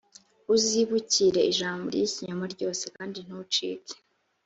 uzibukire ijambo ry ikinyoma ryose kandi ntukice